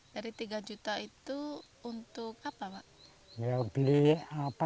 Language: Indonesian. jika tidak petani terpaksa diberi kekuatan